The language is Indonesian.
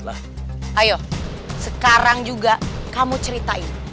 ayo sekarang juga kamu ceritain